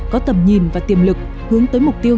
có tầm nhìn và tiềm lực hướng tới mục tiêu